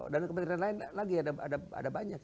dan kementerian lain lagi ada banyak